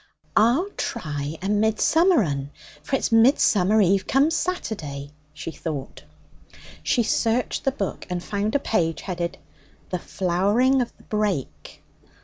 'I'll try a midsummer 'un, for it's Midsummer Eve come Saturday,' she thought. She searched the book and found a page headed 'The Flowering of the Brake.'